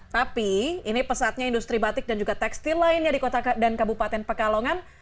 tapi ini pesatnya industri batik dan juga tekstil lainnya di kota dan kabupaten pekalongan